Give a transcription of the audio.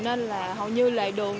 nên là hầu như lề đường